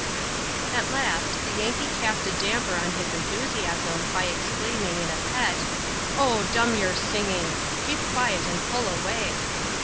At last^ the Yankee cast a damper on his enthusiasm, by exclaiming, in a pet, " Oh ! dumn your singing ! keep quiet, and pull away!"